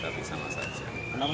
tapi sama saja